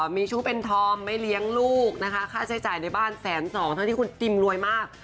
มีชู้เป็นธอมไม่เลี้ยงลูกนะคะค่าใช้จ่ายในบ้านแสนสองเท่าที่คุณติมรวยมาก